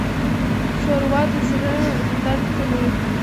ښوروا د زړه درد کموي.